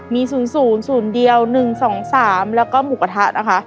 มีศูนย์ศูนย์ศูนย์เดียวหนึ่งสองสามแล้วก็หมูกระทะนะคะ